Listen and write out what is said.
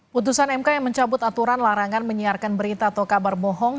putusan mk yang mencabut aturan larangan menyiarkan berita atau kabar bohong